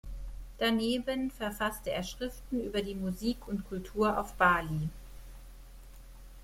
Daneben verfasste er Schriften über die Musik und Kultur auf Bali.